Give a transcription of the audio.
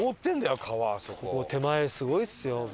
手前すごいですよ。